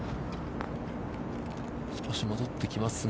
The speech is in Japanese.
少し戻ってきますが。